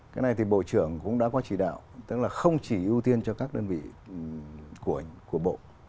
cái này thì bộ trưởng cũng đã có chỉ đạo tức là không chỉ ưu tiên cho các đơn vị của bộ